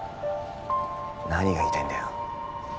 何が言いたいんだよ